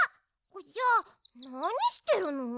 じゃあなにしてるの？